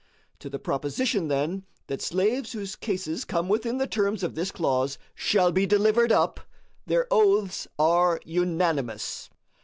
To the proposition, then, that slaves whose cases come within the terms of this clause "shall be delivered up", their oaths are unanimous.